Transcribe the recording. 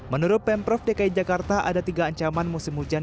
menurut pemprov dki jakarta ada tiga ancaman musim hujan di ibu jawa